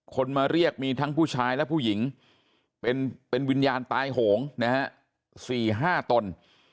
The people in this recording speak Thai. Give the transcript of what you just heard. คนมาเรียกมีทั้งผู้ชายและผู้หญิงเป็นวิญญาณตายโหงนะฮะ๔๕ตน